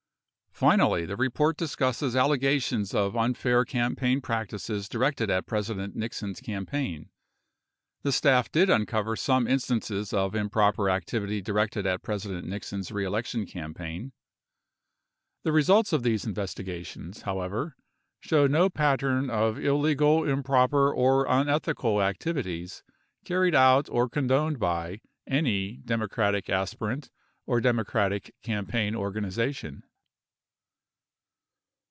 Finally, the report discusses allegations of unfair campaign practices directed at President Nixon's campaign. The staff did uncover some in stances of improper activity directed at President Nixon's reelection 109 campaign. The results of these investigations, however, show no pat tern of illegal, improper, or unethical activities carried out or con doned by any Democratic aspirant or Democratic campaign organization.